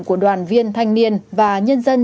của đoàn viên thanh niên và nhân dân